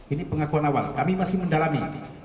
ini pengakuan awal kami masih mendalami